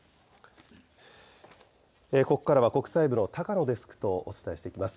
ここからは国際部の高野デスクとお伝えしていきます。